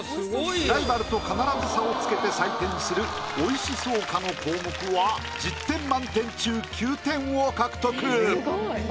ライバルと必ず差をつけて採点する美味しそうかの項目は１０点満点中９点を獲得。